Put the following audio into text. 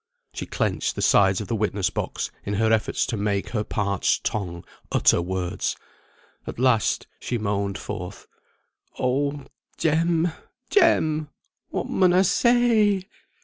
She clenched the sides of the witness box in her efforts to make her parched tongue utter words. At last she moaned forth, "Oh! Jem, Jem! what mun I say?"